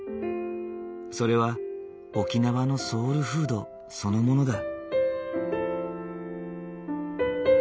それは沖縄のソウルフードそのものだ。